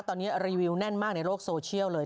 ตอนนี้รีวิวแน่นมากในโลกโซเชียลเลย